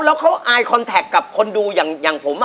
แล้วเขาอายคอนแท็กกับคนดูอย่างผม